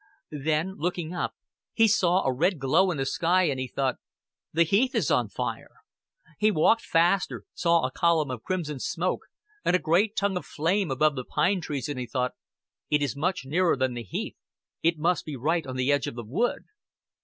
Then, looking up, he saw a red glow in the sky, and he thought: "The heath is on fire." He walked faster, saw a column of crimson smoke and a great tongue of flame above the pine trees, and thought: "It is much nearer than the heath. It must be right on the edge of the wood."